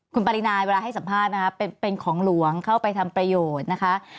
คุณปรินาเวลาให้สัมภาษณ์นะคะเป็นของหลวงเข้าไปทำประโยชน์นะคะ